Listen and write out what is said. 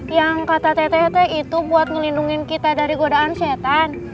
yang kata teteh tete itu buat ngelindungin kita dari godaan setan